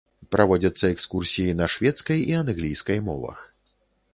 Праводзяцца экскурсіі на шведскай і англійскай мовах.